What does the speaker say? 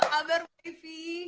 apa kabar ivi